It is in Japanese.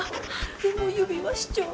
でも指輪しちょる。